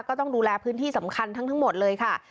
ก็ต้องดูแลพื้นที่สำคัญทั้งหมดเลยค่ะ